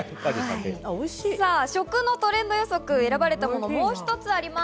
食のトレンド予測、選ばれたものもう一つあります。